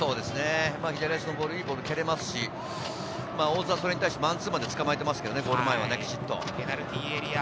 左足のボール、いいボールが蹴れますし、大津はそれに対してマンツーマンで捕まえてますね、ゴール前できちっと。